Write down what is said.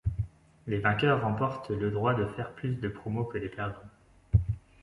Les vainqueurs remportent le droit de faire plus de promos que les perdants.